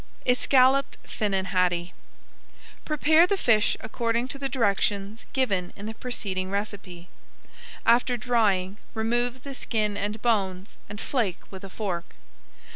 ESCALLOPED FINNAN HADDIE Prepare the fish according to directions given in the preceding recipe. After drying, remove the skin and bones and flake with a fork.